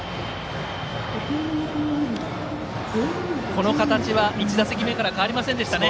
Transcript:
この形は１打席目から変わりませんでしたね。